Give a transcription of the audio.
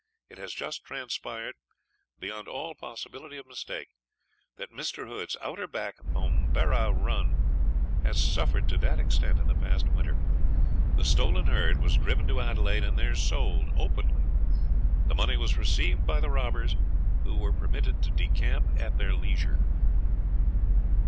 It has just transpired, beyond all possibility of mistake, that Mr. Hood's Outer Back Momberah run has suffered to that extent in the past winter. The stolen herd was driven to Adelaide, and there sold openly. The money was received by the robbers, who were permitted to decamp at their leisure.